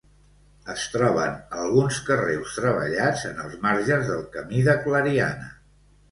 Es troben alguns carreus treballats en els marges del camí de Clariana.